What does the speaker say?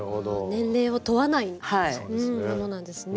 年齢を問わないものなんですね。